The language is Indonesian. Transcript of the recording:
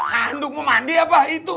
handuk memandik apa itu